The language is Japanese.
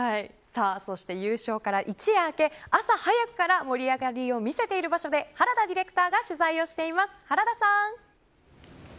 優勝から一夜明け、朝早くから盛り上がりを見せている場所で原田ディレクターが取材をしています。